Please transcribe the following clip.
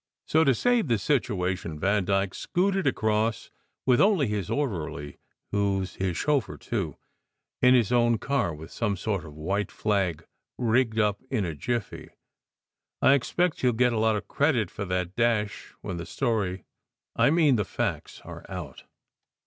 So, to save the situation, Vandyke scooted across with only his orderly who s his chauffeur, too in his own car with some sort of white flag rigged up in a jiffy. I expect he ll get a lot of credit for that dash when the story I mean the facts, are out."